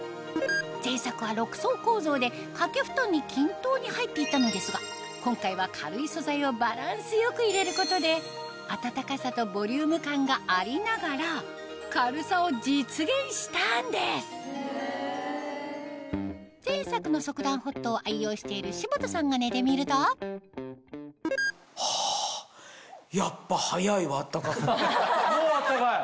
前作は６層構造で掛けふとんに均等に入っていたのですが今回は軽い素材をバランス良く入れることで暖かさとボリューム感がありながら軽さを実現したんです前作の速暖Ｈｏｔを愛用している柴田さんが寝てみるともう暖かい？